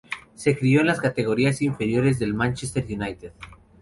Se crio en las categorías inferiores del Manchester United.